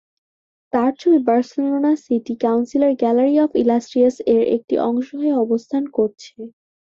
তার ছবি Barcelona city কাউন্সিলের "গ্যালারি অব ইলাস্ট্রিয়াস"-এর একটি অংশ হয়ে অবস্থান করছে।